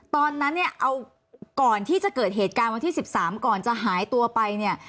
ตอนนั้นเนี่ยเอาก่อนที่จะเกิดเหตุการณ์วันที่๑๓ก่อนจะหายตัวไปเนี่ย